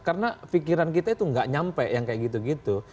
karena pikiran kita itu tidak sampai yang seperti itu